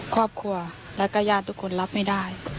ครอบครัวแล้วก็ญาติทุกคนรับไม่ได้